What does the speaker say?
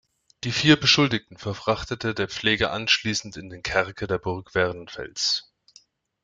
Die vier Beschuldigten verfrachtete der Pfleger anschließend in den Kerker der Burg Werdenfels.